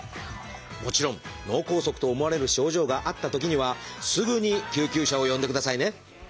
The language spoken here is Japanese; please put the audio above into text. もちろん脳梗塞と思われる症状があったときにはすぐに救急車を呼んでくださいね！